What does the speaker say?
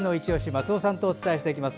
松尾さんとお伝えしていきます。